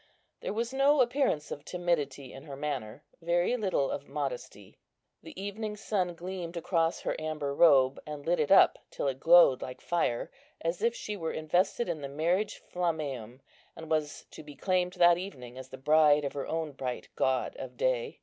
There was no appearance of timidity in her manner; very little of modesty. The evening sun gleamed across her amber robe, and lit it up till it glowed like fire, as if she were invested in the marriage flammeum, and was to be claimed that evening as the bride of her own bright god of day.